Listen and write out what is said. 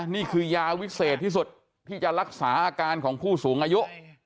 นี่คือยาวิเศษที่สุดที่จะรักษาอาการของผู้สูงอายุ